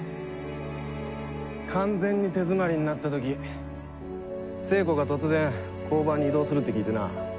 完全に手詰まりになった時聖子が突然交番に異動するって聞いてな。